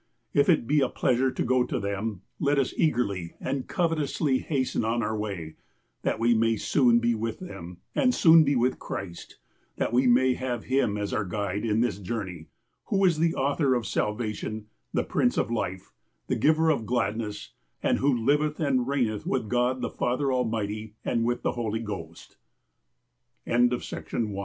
... If it be a pleasure to go to them, let us eagerly and covetously hasten on our way, that we may soon be with them, and soon be with Christ ; that we may have Him as our Guide in this journey, who is the Author of Salvation, the Prince of Life, the Giver of Gladness, and who liveth and reigneth with God the Father Almighty and with the Holy